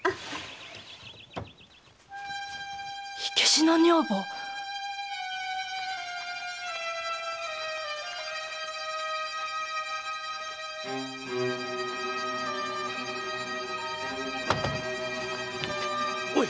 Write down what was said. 火消しの女房⁉おい。